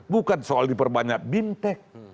bukan soal diperbanyak bimtek